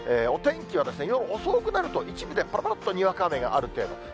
お天気は夜遅くなると、一部でぱらぱらっとにわか雨がある程度。